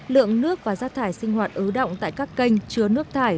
lượng nước và rác thải sinh hoạt ứ động tại các kênh chứa nước thải